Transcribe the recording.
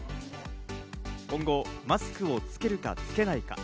今後、マスクをつけるか、つけないか。